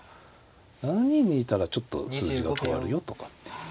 ７二にいたらちょっと数字が変わるよとかっていう。